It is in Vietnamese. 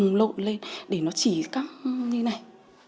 đồng lộn lên để nó chỉ có như này